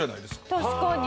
確かに。